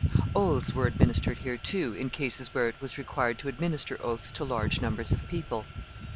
Oaths were administered here too, in cases where it was required to administer oaths to large numbers of people.